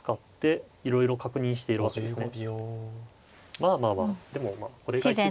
まあまあまあでもまあこれが一番。